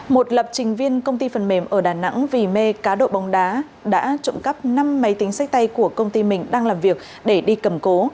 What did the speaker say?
một lập trình viên công ty phần mềm ở đà nẵng vì mê cá độ bóng đá đã trộm cắp năm máy tính sách tay của công ty mình đang làm việc để đi cầm cố